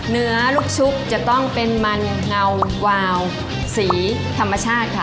ลูกชุบจะต้องเป็นมันเงาวาวสีธรรมชาติค่ะ